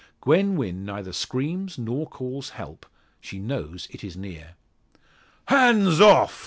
Gwen Wynn neither screams, nor calls "Help!" She knows it is near. "Hands off!"